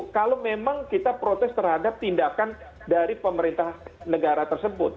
kalau memang kita protes terhadap tindakan dari pemerintah negara tersebut